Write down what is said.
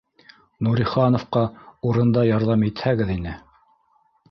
— Нурихановҡа урында ярҙам итһәгеҙ ине